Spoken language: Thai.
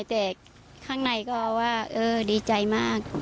แต่ข้างในก็ว่าดีใจมาก